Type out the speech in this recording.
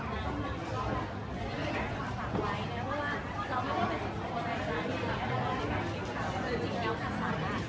มันเป็นภาษาที่แบบไม่ควรจะอยู่กับคนในภาษาไทยภาษาไทย